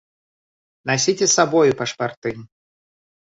Насіце з сабою пашпарты!